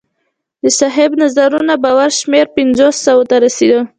د صاحب نظرانو باور شمېر پنځو سوو ته رسېده